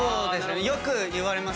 よく言われます